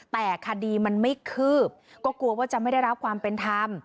แต่คดีมันไม่คืบก็กลัวว่าจะไม่ได้รับความเป็นธรรม